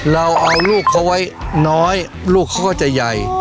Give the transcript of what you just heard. เราเอาลูกเขาไว้น้อยลูกเขาก็จะใหญ่